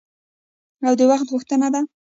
او د وخت غوښتنه ده.